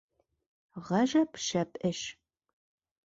— Ғәжәп шәп эш...